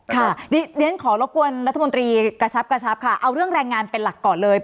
เรียนขอรบกวนรัฐมนตรีกระชับกระชับค่ะเอาเรื่องแรงงานเป็นหลักก่อนเลย